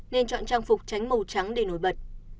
nên chọn trang phục tránh màu trắng để nổi bật